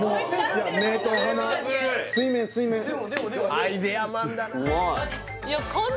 アイデアマンだな・